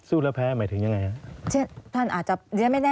สู้และแพ้หมายถึงยังไงฮะ